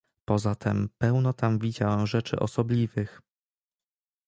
"Poza tem pełno tam widziałem rzeczy osobliwych."